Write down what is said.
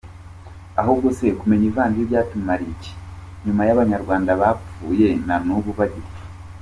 Ahubwo se kumenya Ivanjili byatumariye iki nyuma y’abanyarwanda bapfuye na n’ubu bagipfa?